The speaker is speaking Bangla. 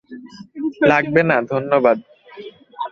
লাগবে না ধন্যবাদ।